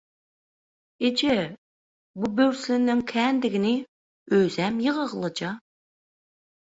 – Eje, bu böwürslenleň kändigini, özem ýygylgyja.